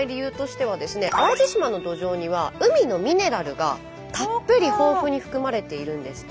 淡路島の土壌には海のミネラルがたっぷり豊富に含まれているんですって。